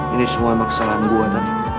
ini semua memang kesalahan saya pak